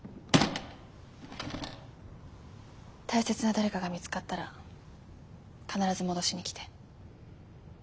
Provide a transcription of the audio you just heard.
大切な誰かが見つかったら必ず戻しに来て。